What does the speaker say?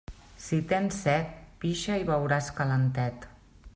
Si tens set, pixa i beuràs calentet.